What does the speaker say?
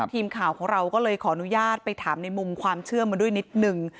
ทีมข่าวของเราก็เลยขออนุญาตไปถามในมุมความเชื่อมาด้วยนิดนึง